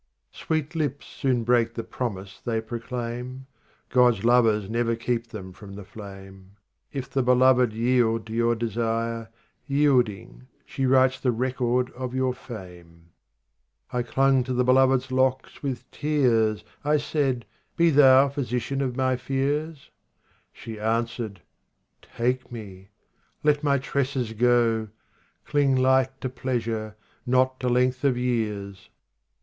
50 Sweet lips soon break the promise they proclaim God's lovers never keep them from the flame : If the beloved yield to your desire, Yielding, she writes the record of your fame. 51 I clung to the beloved's locks with tears ; I said, " Be thou physician of my fears ?" She answered :" Take me ! let my tresses go ! Cling light to pleasure, not to length of years